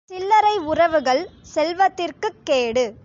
சில்லறை உறவுகள் செல்வத்திற்குக் கேடு.